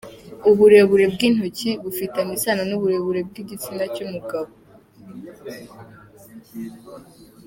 Uburebure bw’intoki bufitanye isano n’uburebure bw’igitsina cy’umugabo